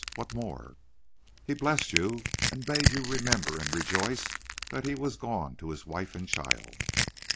What more?" "He blessed you and bade you remember and rejoice that he was gone to his wife and child."